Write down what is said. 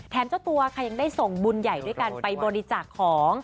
เจ้าตัวค่ะยังได้ส่งบุญใหญ่ด้วยการไปบริจาคของ